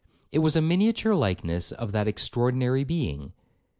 It was a miniature likeness of that extraordinary being.